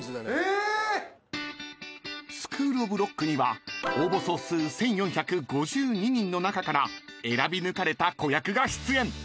［『スクールオブロックには』応募総数１，４５２人の中から選びぬかれた子役が出演］